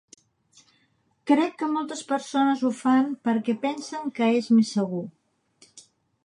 Crec que moltes persones ho fan perquè pensen que és més segur.